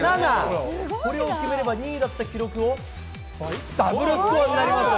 これを決めれば、２位だった記録のダブルスコアになります。